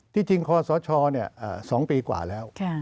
ที่จริงคอสช๒ปีกว่าแล้ว